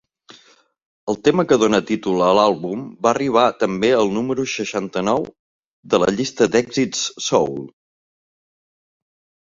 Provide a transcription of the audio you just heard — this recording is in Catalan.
El tema que dona títol a l'àlbum va arribar també al número seixanta-nou de la llista d'èxits soul.